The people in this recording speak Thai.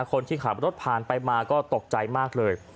คนที่ขับรถผ่านไปมาก็ตกใจมากเลย